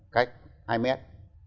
cách hai mét